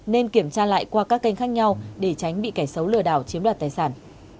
nên kiểm tra lại qua các kênh khác nhau để tránh bị kẻ xấu lừa đảo chiếm đoạt tài sản